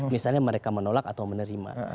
misalnya mereka menolak atau menerima